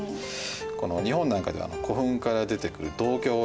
この日本なんかでは古墳から出てくる銅鏡ですね。